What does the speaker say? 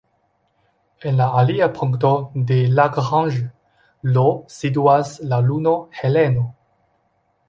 En la alia punkto de Lagrange, L, situas la luno Heleno.